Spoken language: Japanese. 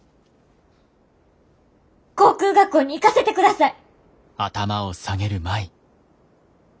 航空学校に行かせてください。